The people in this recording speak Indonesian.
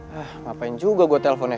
hah ngapain juga gue telfon ya